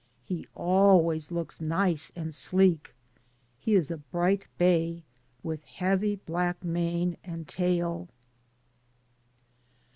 He always looks nice and sleek. He is a bright bay, with heavy black mane and tail.